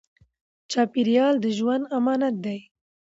چاپېریال د ژوند امانت دی.